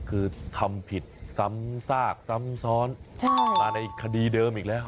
คือทำผิดซ้ำซากซ้ำซ้อนมาในคดีเดิมอีกแล้ว